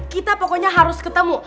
kita pokoknya harus ketemu